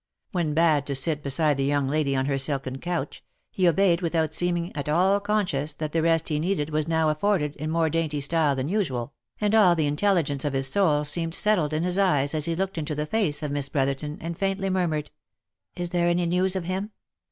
When bad to sit beside the young lady on her silken couch, he obeyed without seeming at all conscious that the rest he needed was now afforded in more dainty style than usual, and all the intelligence of his soul seemed settled in his eyes as he looked into the face of Miss Brotherton, and faintly murmured —" Is there any news of him